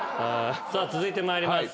さあ続いて参ります。